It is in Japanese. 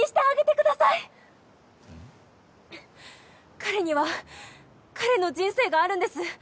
彼には彼の人生があるんです。